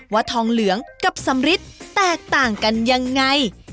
ทองเหลืองกับสำริดแตกต่างกันยังไง